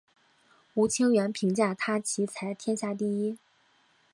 吴清源评价他棋才天下第一。